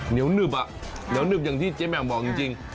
เหนียวหนึบอย่างที่แจ้แมบบอกจริง